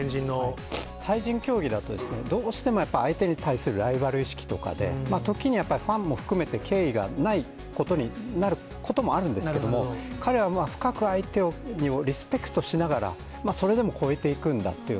対人競技だと、どうしても相手に対するライバル意識とか、時にファンも含めて敬意がないことになることもあるんですけれども、彼は深く相手をリスペクトしながら、それでも超えていくんだっていう、